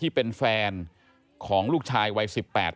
ไอ้แม่ได้เอาแม่ได้เอาแม่